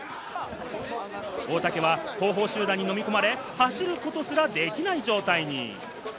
大竹は後方集団に飲み込まれ、走ることすらできない状態に。